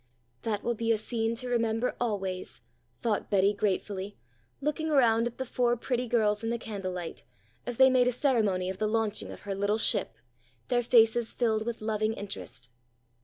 "That will be a scene to remember always," thought Betty gratefully, looking around at the four pretty girls in the candlelight, as they made a ceremony of the launching of her little ship, their faces filled with loving interest.